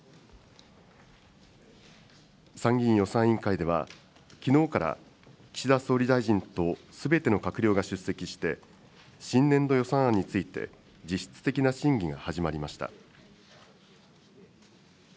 参議院予算委員会では、きのうから岸田総理大臣とすべての閣僚が出席して、新年度予算案について、実質的な審議が始まりました。